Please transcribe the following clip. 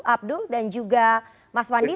abdul dan juga mas wandi